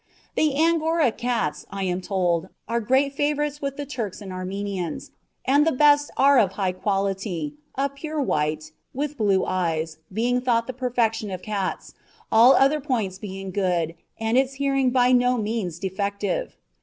The Angora cats, I am told, are great favourites with the Turks and Armenians, and the best are of high value, a pure white, with blue eyes, being thought the perfection of cats, all other points being good, and its hearing by no means defective.